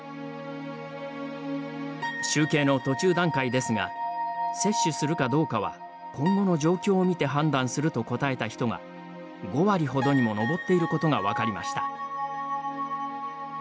集計の途中段階ですが接種するかどうかは今後の状況を見て判断すると答えた人が、５割ほどにも上っていることが分かりました。